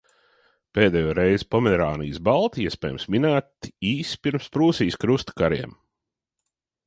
Pēdējo reizi Pomerānijas balti, iespējams, minēti īsi pirms Prūsijas krusta kariem.